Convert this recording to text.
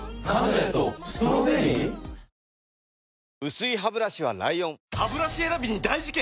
薄いハブラシは ＬＩＯＮハブラシ選びに大事件！